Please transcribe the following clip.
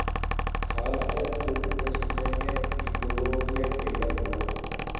تارىختا تىلدىن تەشكىللەنگەن ئېكولوگىيە پەيدا بولغان.